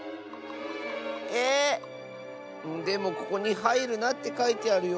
ええっ⁉でもここに「はいるな！」ってかいてあるよ。